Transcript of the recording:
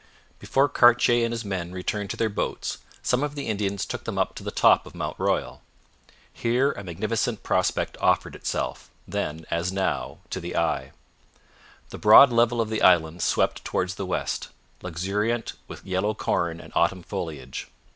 Before Cartier and his men returned to their boats, some of the Indians took them up to the top of Mount Royal. Here a magnificent prospect offered itself, then, as now, to the eye. The broad level of the island swept towards the west, luxuriant with yellow corn and autumn foliage.